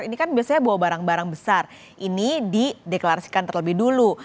ini kan biasanya bawa barang barang besar ini dideklarasikan terlebih dulu